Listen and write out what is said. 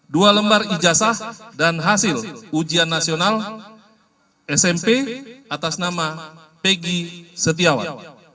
dua lembar ijazah dan hasil ujian nasional smp atas nama pegi setiawan